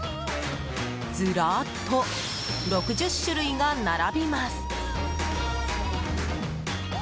ずらーっと６０種類が並びます。